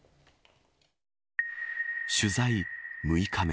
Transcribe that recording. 取材６日目。